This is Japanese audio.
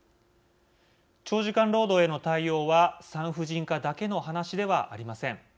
長時間労働への対応は産婦人科だけの話ではありません。